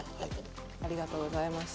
ありがとうございます。